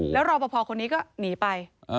แล้วรอปภคนนี้ก็หนีไป